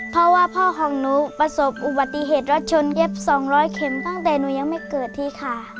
เพราะว่าพ่อของหนูประสบอุบัติเหตุรถชนเย็บ๒๐๐เข็มตั้งแต่หนูยังไม่เกิดที่ค่ะ